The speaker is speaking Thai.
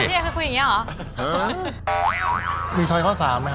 พราบเจี๊ยงให้คุยอย่างนี้หรอ